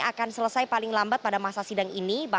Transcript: akan selesai paling lambat pada masa sidang ini